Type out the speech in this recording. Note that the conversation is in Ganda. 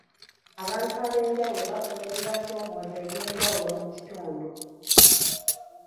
Abantu ab'enjawulo bafuna ebibasoomooza eby'enjawulo mu kitundu.